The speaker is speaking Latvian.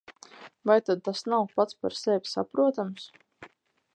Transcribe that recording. Vai tad tas nav pats par sevi saprotams?